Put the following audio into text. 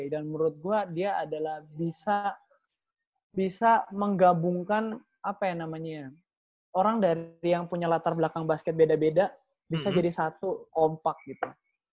dan menurut gue dia adalah bisa menggabungkan apa ya namanya orang dari yang punya latar belakang basket beda beda bisa jadi satu kompak gitu